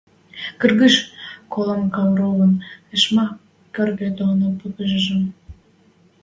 Кыргыж! — колам Кауровын ышма кӧргӹ доно попымыжым.